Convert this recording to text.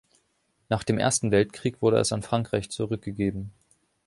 Nach dem Ersten Weltkrieg wurde es an Frankreich zurückgegeben.